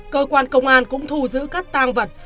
cơ quan công an cũng thu giữ các tăng vật